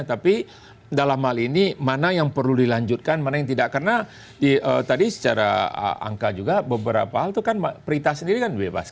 tapi dalam hal ini mana yang perlu dilanjutkan mana yang tidak karena tadi secara angka juga beberapa hal itu kan prita sendiri kan bebas